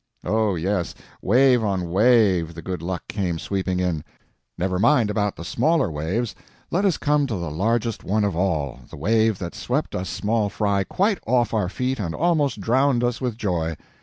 Oh, yes, wave on wave the good luck came sweeping in. Never mind about the smaller waves, let us come to the largest one of all, the wave that swept us small fry quite off our feet and almost drowned us with joy.